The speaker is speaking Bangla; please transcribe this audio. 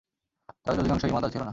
তাদের অধিকাংশই ঈমানদার ছিল না।